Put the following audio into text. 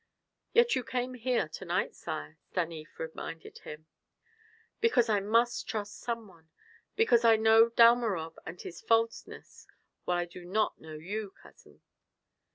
"Yet you came here to night, sire," Stanief reminded him. "Because I must trust some one. Because I know Dalmorov and his falseness, while I do not know you, cousin."